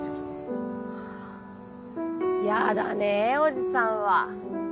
ハァやだねおじさんは。